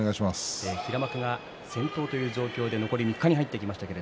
平幕が先頭という状況で残り３日に入りました。